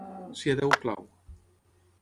Si a Déu plau.